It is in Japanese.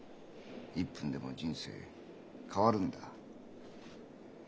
１分でも人生変わるんだ。